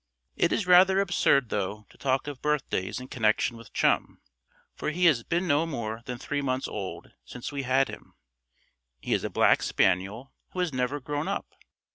It is rather absurd, though, to talk of birthdays in connection with Chum, for he has been no more than three months old since we have had him. He is a black spaniel who has never grown up.